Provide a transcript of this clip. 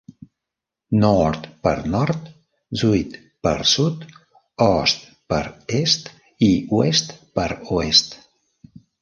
"Noord" per nord, "Zuid" per sud, "Oost" per est i "West" per oest.